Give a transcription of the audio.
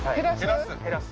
減らす？